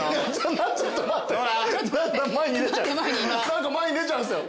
何か前に出ちゃうんですよ。